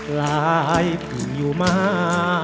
หลายผู้อยู่มา